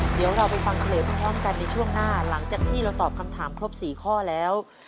เดี๋ยวเราไปฟังเฉลยพร้อมกันในช่วงหน้าหลังจากที่เราตอบคำถามครบ๔ข้อแล้ว